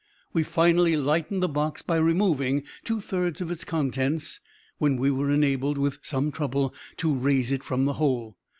We, finally, lightened the box by removing two thirds of its contents, when we were enabled, with some trouble, to raise it from the hole.